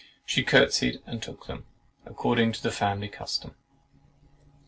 She curtsied and took them, according to the family custom.